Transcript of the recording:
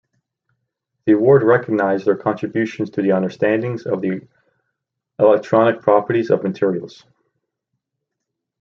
The award recognized their contributions to the understandings of the electronic properties of materials.